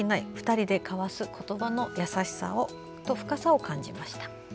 ２人が交わす言葉の優しさと深さを感じました。